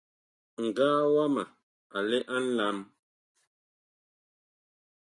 Ŋgaa wama a lɛ a nlam.